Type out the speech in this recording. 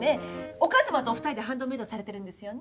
お母様とお二人でハンドメイドされてるんですよね。